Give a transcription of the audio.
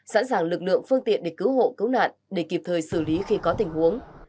sẵn sàng lực lượng phương tiện để cứu hộ cứu nạn để kịp thời xử lý khi có tình huống